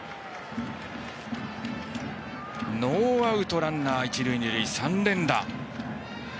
ノーアウトランナー、一塁二塁３連打。